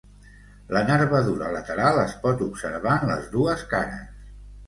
La nervadura lateral es pot observar en les dues cares.